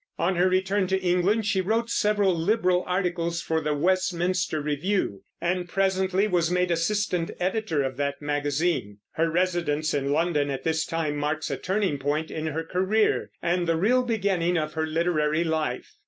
On her return to England she wrote several liberal articles for the Westminster Review, and presently was made assistant editor of that magazine. Her residence in London at this time marks a turning point in her career and the real beginning of her literary life.